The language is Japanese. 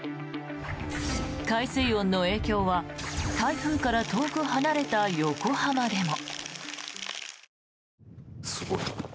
海水温の影響は台風から遠く離れた横浜でも。